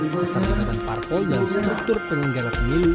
keterlibatan parpol dan struktur penyelenggara pemilu